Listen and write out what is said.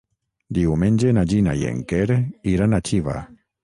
Diumenge na Gina i en Quer iran a Xiva.